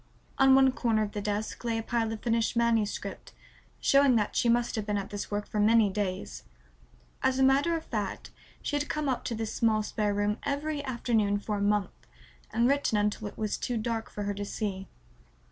On one corner of the desk lay a pile of finished manuscript, showing that she must have been at this work for many days. As a matter of fact she had come up to this small spare room every afternoon for a month and written until it was too dark for her to see.